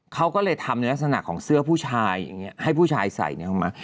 เขาก็เลยทำในลักษณะของเสื้อผู้ชายอย่างนี้ให้ผู้ชายใส่ออกมา